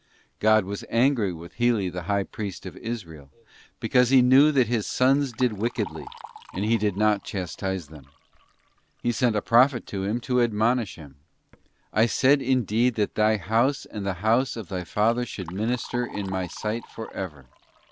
The condt God was angry with Heli the High Priest of Israel, be mise to Heli. cause he knew that his 'sons did wickedly, and he did not chastise them.'t He sent a prophet to him to admonish him. 'I said indeed that thy house and the house of thy father should minister in My sight for ever.